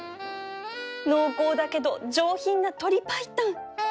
濃厚だけど上品な鶏白湯